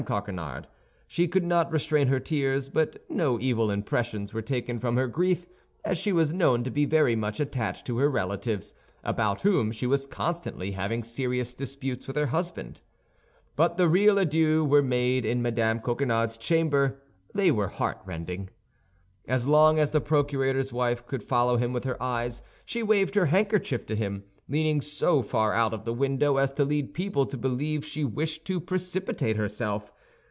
Coquenard, she could not restrain her tears; but no evil impressions were taken from her grief as she was known to be very much attached to her relatives, about whom she was constantly having serious disputes with her husband. But the real adieux were made in Mme. Coquenard's chamber; they were heartrending. As long as the procurator's wife could follow him with her eyes, she waved her handkerchief to him, leaning so far out of the window as to lead people to believe she wished to precipitate herself.